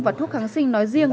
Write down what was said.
và thuốc kháng sinh nói riêng